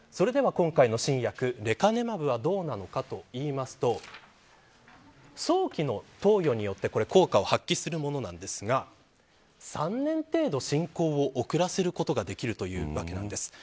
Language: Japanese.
今回の新薬レカネマブはどうなのかと言いますと早期の投与によって効果を発揮するものなんですが３年程度、進行を遅らせることができるわけなんです。